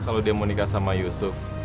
kalau dia mau nikah sama yusuf